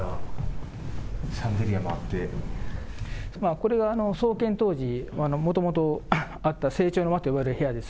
これが創建当時、もともとあった正庁の間と呼ばれる部屋です。